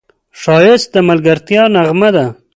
ښایست د ملګرتیا نغمه ده